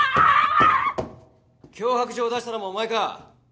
脅迫状を出したのもお前か？